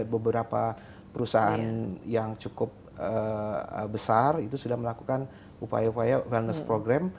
beberapa perusahaan yang cukup besar itu sudah melakukan upaya upaya valess program